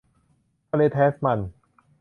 ทะเลแทสมัน